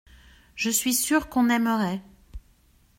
Je suis sûr qu’on aimerait.